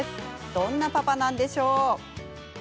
どんなパパなんでしょう？